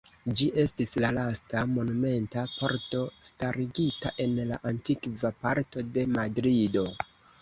Ĝi estis la lasta monumenta pordo starigita en la antikva parto de Madrido.